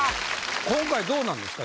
今回どうなんですか？